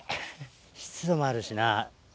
湿度もあるしな。